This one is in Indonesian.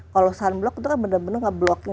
kalau sunblock itu kan benar benar nge blocking